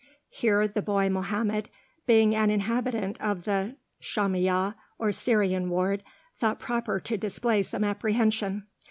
Here the boy Mohammed, being an inhabitant of the Shamiyah or Syrian ward, thought proper to display some apprehension.